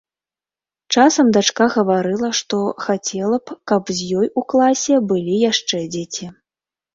Часам дачка гаварыла, што хацела б, каб з ёй у класе былі яшчэ дзеці.